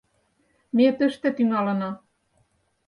— Ме тыште тӱҥалына.